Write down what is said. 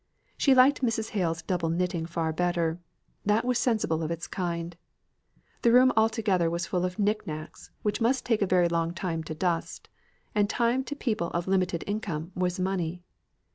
She liked Mrs. Hale's double knitting far better; that was sensible of its kind. The room altogether was full of knick knacks, which must take a long time to dust; and time to people of limited income was money.